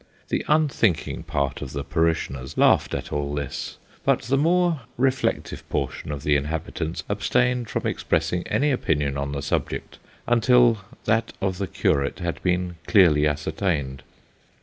The unthinking part of the parishioners laughed at all this, but the more reflective portion of the inhabitants abstained from expressing any opinion on the subject until that of the curate had been clearly ascertained.